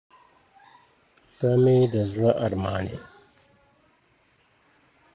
• ته مې د زړه ارمان یې.